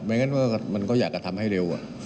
งั้นมันก็อยากจะทำให้เร็ว